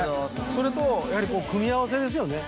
それとやはり組み合わせですよね